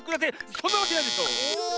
そんなわけないでしょう！え。